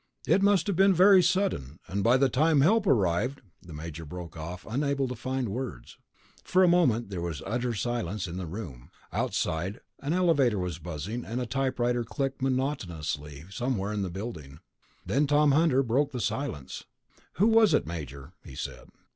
It must have been very sudden, and by the time help arrived...." The major broke off, unable to find words. For a long moment there was utter silence in the room. Outside, an elevator was buzzing, and a typewriter clicked monotonously somewhere in the building. Then Tom Hunter broke the silence. "Who was it, Major?" he said.